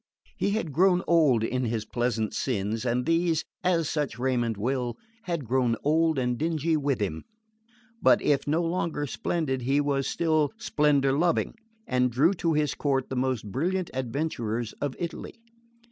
He had grown old in his pleasant sins, and these, as such raiment will, had grown old and dingy with him; but if no longer splendid he was still splendour loving, and drew to his court the most brilliant adventurers of Italy.